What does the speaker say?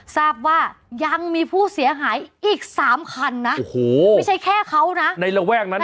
ทราบว่ายังมีผู้เสียหายอีกสามคันนะโอ้โหไม่ใช่แค่เขานะในระแวกนั้น